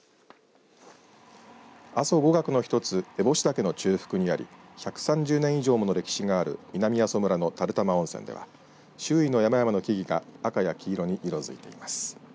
阿蘇五岳の１つ烏帽子岳の中腹にあり１３０年以上もの歴史がある南阿蘇村の垂玉温泉では周囲の山々の木々が赤や黄色に色づいています。